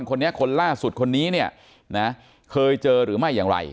คนนี้คนล่าสุดคนนี้เนี่ยนะเคยเจอหรือไม่อย่างไร